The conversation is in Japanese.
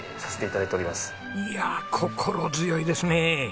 いやあ心強いですね。